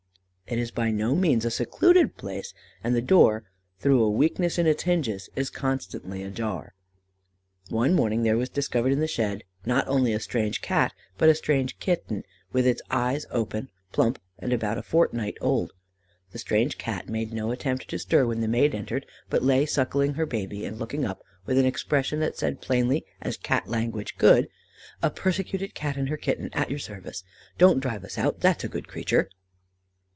It is by no means a secluded place, and the door, through a weakness in its hinges, is constantly ajar. "One morning there was discovered in the shed, not only a strange Cat, but a strange Kitten, with its eyes open, plump, and about a fortnight old. The strange Cat made no attempt to stir when the maid entered, but lay suckling her baby, and looking up with an expression that said as plainly as Cat language could, "'A persecuted Cat and her Kitten at your service; don't drive us out, that's a good creature.